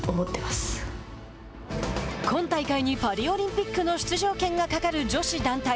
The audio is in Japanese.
今大会にパリオリンピックの出場権がかかる女子団体。